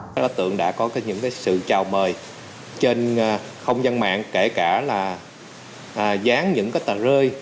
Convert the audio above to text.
đối tượng đã có những sự chào mời trên không gian mạng kể cả là dán những tà rơi